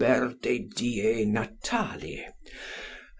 de die natali.